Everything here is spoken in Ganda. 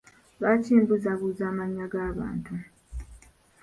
Lwaki mbuzabuza amanya g'abantu?